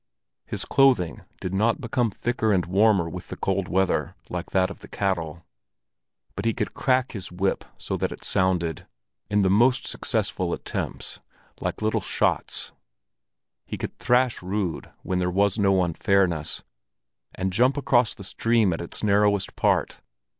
His clothing did not become thicker and warmer with the cold weather like that of the cattle; but he could crack his whip so that it sounded, in the most successful attempts, like little shots; he could thrash Rud when there was no unfairness, and jump across the stream at its narrowest part.